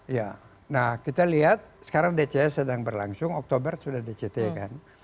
ya nah kita lihat sekarang dcs sedang berlangsung oktober sudah dct kan